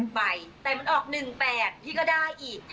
ใบแต่มันออก๑๘พี่ก็ได้อีก